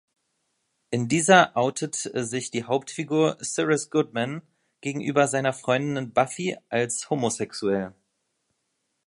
In dieser outet sich die Hauptfigur "Cyrus Goodman" gegenüber seiner Freundin "Buffy" als homosexuell.